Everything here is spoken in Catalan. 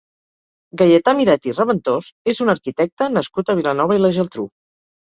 Gaietà Miret i Raventós és un arquitecte nascut a Vilanova i la Geltrú.